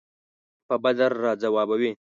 په بد راځوابوي.